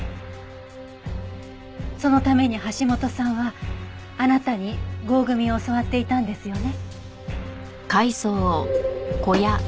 そのために橋本さんはあなたに合組を教わっていたんですよね？